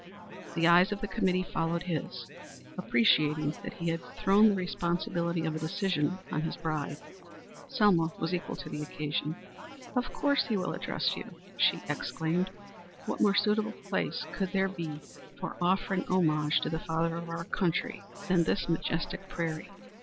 The eyes of the committee followed his, appreciating that he had thrown the responsibility of a decision on his bride. Selma was equal to the occasion. "Of course he will address you," she exclaimed. "What more suitable place could there be for offering homage to the father of our country than this majestic prairie?"